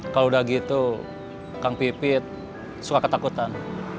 kalau udah gitu kang pipit suka ketakutan